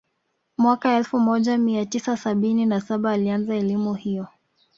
Mwaka elfu moja mia tisa sabini na saba alianza elimu hiyo